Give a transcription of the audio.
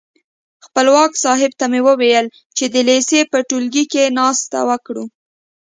خپلواک صاحب ته مې وویل چې د لېسې په ټولګي کې ناسته وکړو.